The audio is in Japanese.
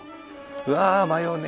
うわあ迷うね。